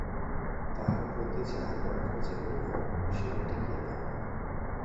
তাহার প্রতি যাহার ব্যবহার যেমনি হউক, সে টিঁকিয়া থাকে।